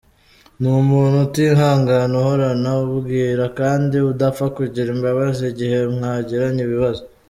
Ni umuntu utihangana, uhorana ubwira kandi udapfa kugira imbabazi igihe mwagiranye ibibazo.